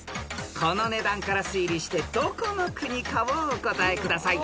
［この値段から推理してどこの国かをお答えください］